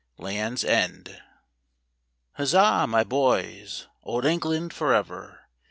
Landes End . Huzza! my boys. Old England for ever.